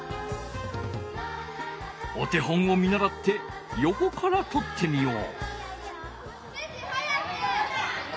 お手本をみならって横からとってみよう。